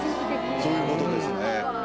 そういうことですね。